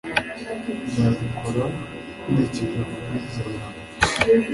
Nzabikora nkurikije amabwiriza yawe